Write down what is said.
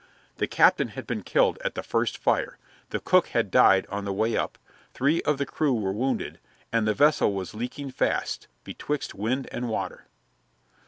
The captain had been killed at the first fire, the cook had died on the way up, three of the crew were wounded, and the vessel was leaking fast, betwixt wind and water.